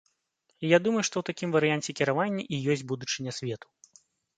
І я думаю, што ў такім варыянце кіравання і ёсць будучыня свету.